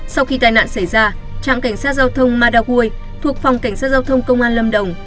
sau khi tai nạn xảy ra trạm cảnh sát giao thông madaway thuộc phòng cảnh sát giao thông công an lâm đồng